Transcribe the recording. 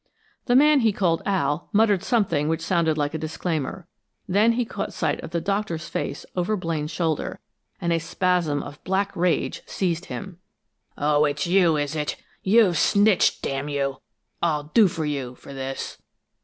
The man he called "Al" muttered something which sounded like a disclaimer. Then he caught sight of the Doctor's face over Blaine's shoulder, and a spasm of black rage seized him. "Oh, it's you, is it? You've snitched, d n you! I'll do for you, for this!"